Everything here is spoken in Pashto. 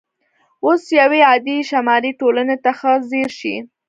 اوس یوې عادي شمالي ټولنې ته ښه ځیر شئ